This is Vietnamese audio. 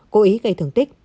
cố ý gây thương tích